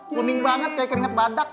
kuning banget kayak keringat badak